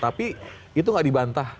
tapi itu nggak dibantah